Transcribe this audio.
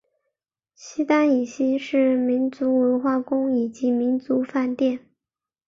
西单以西是民族文化宫以及民族饭店。